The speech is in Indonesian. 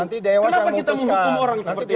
kenapa kita menghukum orang seperti begitu